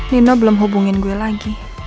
nino belum hubungin gue lagi